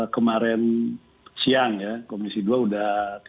kemarin siang ya komisi dua udah